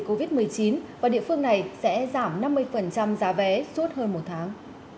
covid một mươi chín và địa phương này sẽ giảm năm mươi giá vé suốt hơn một tháng